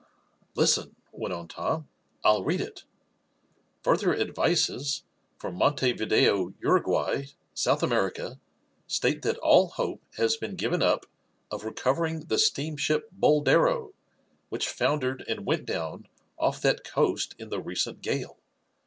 "Listen," went on Tom. "I'll read it: 'Further advices from Montevideo, Uruguay, South America, state that all hope has been given up of recovering the steamship Boldero, which foundered and went down off that coast in the recent gale.